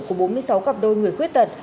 của bốn mươi sáu cặp đôi người khuyết tật